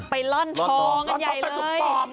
ไปรั่นทองกันใหญ่เลย